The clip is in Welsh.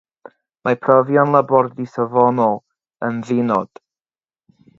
Mae profion labordy safonol yn ddi-nod.